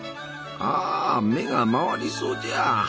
ああ目が回りそうじゃ！